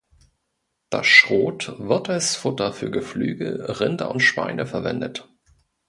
Das Schrot wird als Futter für Geflügel, Rinder und Schweine verwendet.